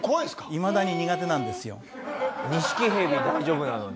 いまだに苦手なんですよ。